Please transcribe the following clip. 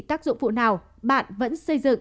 tác dụng vụ nào bạn vẫn xây dựng